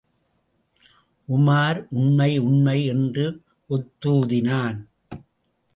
உமார், உண்மை, உண்மை என்று ஒத்துதினான்.